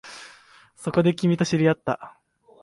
そこで、君と知り合った